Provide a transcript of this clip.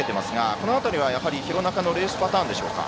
この辺りは廣中のレースパターンですか。